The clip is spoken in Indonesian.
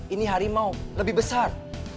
ini harimau lebih besar